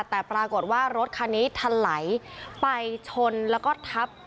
แต่ปรากฏว่ารถคันนี้ทะไหลไปชนแล้วก็ทับ